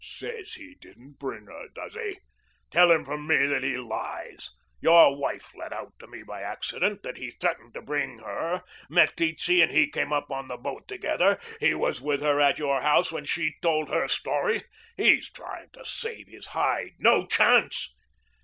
"Says he didn't bring her, does he? Tell him from me that he lies. Your wife let out to me by accident that he threatened to bring her. Meteetse and he came up on the boat together. He was with her at your house when she told her story. He's trying to save his hide. No chance."